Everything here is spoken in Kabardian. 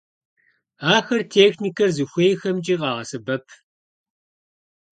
Ахэр техникэр зыхуейхэмкӀи къагъэсэбэп.